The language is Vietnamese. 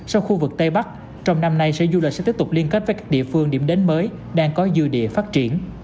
sau khu vực tây bắc trong năm nay sở du lịch sẽ tiếp tục liên kết với các địa phương điểm đến mới đang có dư địa phát triển